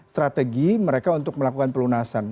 strategi mereka untuk melakukan pelunasan